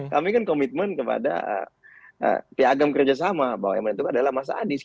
kami kan komitmen kepada piagam kerjasama bahwa yang menentukan adalah mas anies